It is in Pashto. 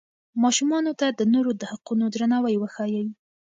ماشومانو ته د نورو د حقونو درناوی وښایئ.